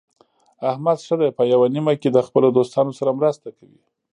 احمد ښه دی په یوه نیمه کې د خپلو دوستانو سره مرسته کوي.